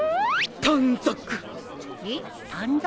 短冊。